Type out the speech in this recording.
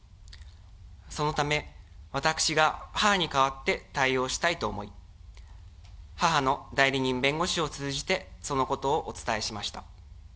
そのため、私が母に代わって対応したいと思い、母の代理人弁護士を通じて、そのことをお伝えしました。